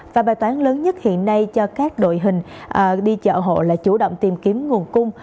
và bài toán lớn nhất hiện nay cho các đội hình đi chợ hộ là chủ động tìm kiếm nguồn cung